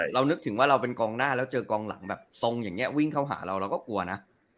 นึกถึงว่าเราเป็นกองหน้าแล้วเจอกองหลังแบบทรงอย่างนี้วิ่งเข้าหาเราเราก็กลัวนะ